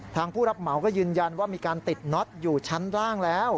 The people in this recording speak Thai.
ผู้รับเหมาก็ยืนยันว่ามีการติดน็อตอยู่ชั้นล่างแล้ว